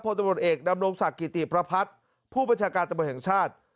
ตำรวจเอกดำรงศักดิ์กิติประพัฒน์ผู้บัญชาการตำรวจแห่งชาติ